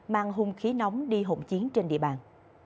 mang hung khí nóng đi hộn chiến trên địa bàn